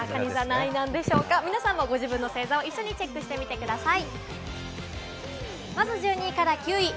皆さんもご自分の星座を一緒にチェックしてみてください。